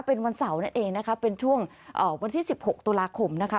เป็นวันเสาร์นั่นเองนะคะเป็นช่วงวันที่๑๖ตุลาคมนะคะ